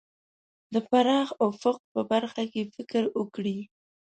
د پراخ افق په باره کې فکر وکړي.